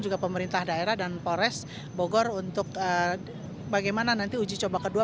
juga pemerintah daerah dan polres bogor untuk bagaimana nanti uji coba kedua